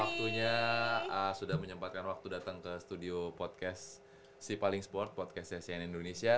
waktunya sudah menyempatkan waktu datang ke studio podcast cipaling sport podcastnya cnn indonesia